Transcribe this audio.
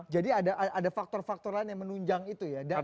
jadi ada faktor faktor lain yang menunjang itu ya